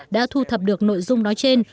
đã thu thập được nội dung nói trên